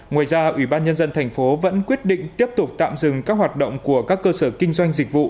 ngoài ra ủy ban nhân dân thành phố vẫn quyết định tiếp tục tạm dừng các hoạt động của các cơ sở kinh doanh dịch vụ